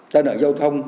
tài nạn giao thông